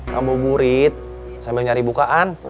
sambil nyari bukaan